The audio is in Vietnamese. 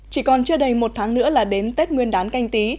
chỉ còn chưa đầy một tháng nữa là đến tết nguyên đán canh tí